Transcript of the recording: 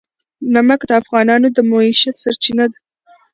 نمک د افغانانو د معیشت سرچینه ده.